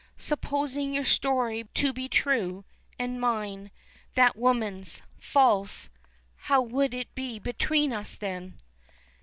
Supposing your story to be true, and mine that woman's false, how would it be between us then?"